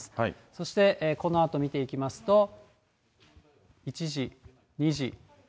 そして、このあと見ていきますと、１時、２時、３時、４時。